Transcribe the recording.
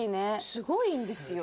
すごいんですよ。